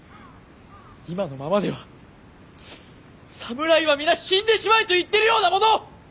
今のままでは侍は皆死んでしまえと言ってるようなもの！